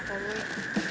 ada perlu apa ya pamir